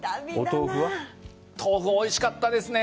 豆腐おいしかったですね。